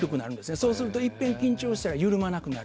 そうするといっぺん緊張したら緩まなくなる。